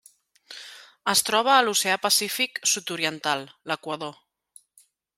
Es troba a l'Oceà Pacífic sud-oriental: l'Equador.